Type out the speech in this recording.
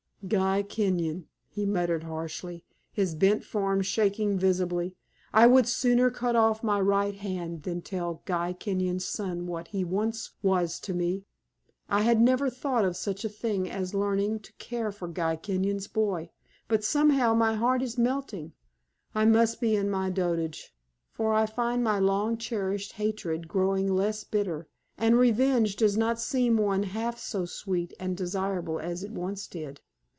"Guy Kenyon," he muttered, harshly, his bent form shaking visibly; "I would sooner cut off my right hand than tell Guy Kenyon's son what he once was to me. I had never thought of such a thing as learning to care for Guy Kenyon's boy. But somehow my heart is melting. I must be in my dotage, for I find my long cherished hatred growing less bitter, and revenge does not seem one half so sweet and desirable as it once did.